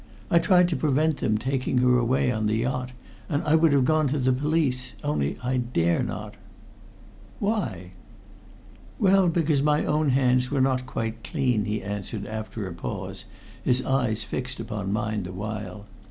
I tried to prevent them taking her away on the yacht, and I would have gone to the police only I dare not." "Why?" "Well, because my own hands were not quite clean," he answered after a pause, his eyes fixed upon mine the while.